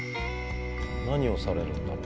何をされるんだろう？